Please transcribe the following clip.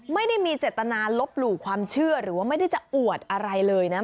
ไม่ได้มีเจตนาลบหลู่ความเชื่อหรือว่าไม่ได้จะอวดอะไรเลยนะ